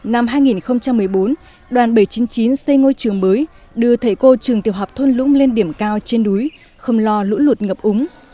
năm hai nghìn một mươi bốn đoàn bảy trăm chín mươi chín xây ngôi trường mới đưa thầy cô trường tiểu học thôn lũng lên điểm cao trên đuối không lo lũ lụt ngập úng